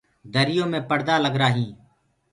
دريو مي پڙدآ لگرآ هينٚ۔